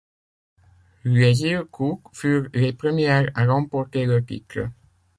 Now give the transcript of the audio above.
Les Iles Cook furent les premières à remporter le titre.